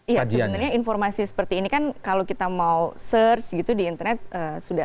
iya sebenarnya informasi seperti ini kan kalau kita mau search gitu di internet sudah